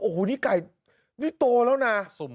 โอ้โหนี่ไก่นี่โตแล้วนะ